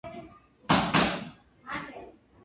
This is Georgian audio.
გამოვიდა დირექტორიის წინააღმდეგ.